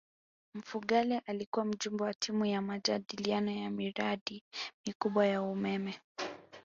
mfugale alikuwa mjumbe wa timu ya majadiliano ya miradi mikubwa ya umeme